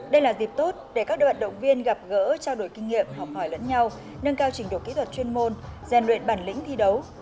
đây là dịp tốt để các vận động viên gặp gỡ trao đổi kinh nghiệm học hỏi lẫn nhau nâng cao trình độ kỹ thuật chuyên môn gian luyện bản lĩnh thi đấu